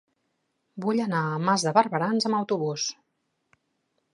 Vull anar a Mas de Barberans amb autobús.